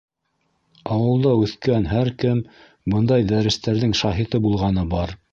Ауылда үҫкән һәр кем бындай «дәрес»тәрҙең шаһиты булғаны бар.